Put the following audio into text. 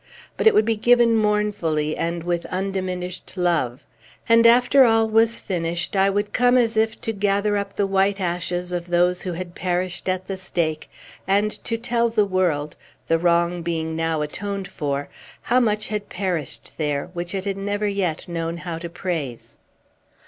But it would be given mournfully, and with undiminished love. And, after all was finished, I would come as if to gather up the white ashes of those who had perished at the stake, and to tell the world the wrong being now atoned for how much had perished there which it had never yet known how to praise.